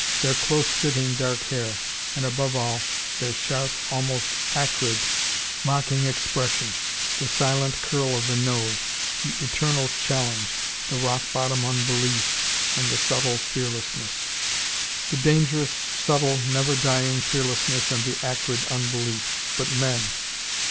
Their close sitting dark hair. And above all, their sharp, almost acrid, mocking expression, the silent curl of the nose, the eternal challenge, the rock bottom unbelief, and the subtle fearlessness. The dangerous, subtle, never dying fearlessness, and the acrid unbelief. But men!